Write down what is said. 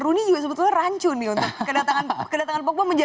rooney juga sebetulnya rancun untuk kedatangan pogba